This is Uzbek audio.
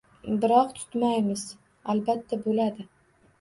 Biroq tutmayiz albatta bo‘ladi.